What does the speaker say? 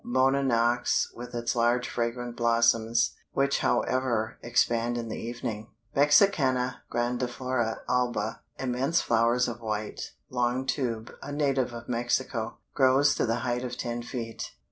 Bona Nox_, with its large fragrant blossoms, which however, expand in the evening; Mexicana Grandiflora Alba, immense flowers of white, long tube, a native of Mexico; grows to the height of ten feet.